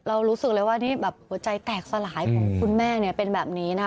รู้สึกเลยว่านี่แบบหัวใจแตกสลายของคุณแม่เนี่ยเป็นแบบนี้นะ